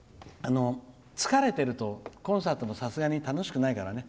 疲れてると、コンサートも楽しくないからね。